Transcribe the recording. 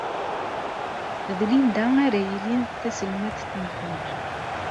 D Linda ara yilin d taselmadt-nwent.